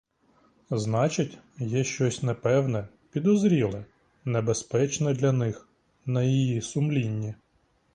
Значить, є щось непевне, підозріле, небезпечне для них на її сумлінні.